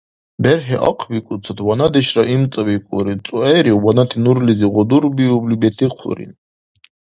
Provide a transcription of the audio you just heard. БерхӀи ахъбикӀуцад, ванадешра имцӀабикӀулри, цӀуэри, ванати нурлизи гъудурбиубли, бетихъулри.